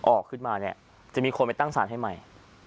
ออกมาเนี่ยจะมีคนไปตั้งสารให้ใหม่